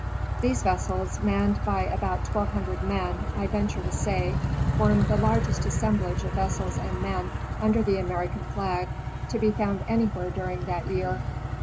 These vessels, manned by about twelve hundred men, I venture to say formed the largest assemblage of vessels and men under the American flag to be found anywhere during that year.